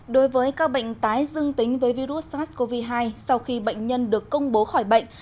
đối với các bệnh tái dương tính với virus sars cov hai sau khi bệnh nhân được công bố khỏi bệnh